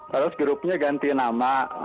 terus grupnya ganti nama